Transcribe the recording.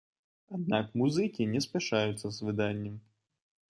Аднак музыкі не спяшаюцца з выданнем.